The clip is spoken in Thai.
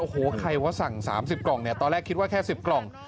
โอ้โหใครว่าสั่ง๓๐กล่องเนี่ยตอนแรกคิดว่าแค่๑๐กล่อง